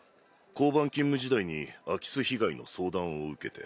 交番勤務時代に空き巣被害の相談を受けて。